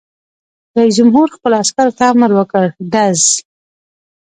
رئیس جمهور خپلو عسکرو ته امر وکړ؛ ډز!